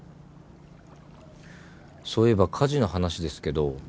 そういえば火事の話ですけど。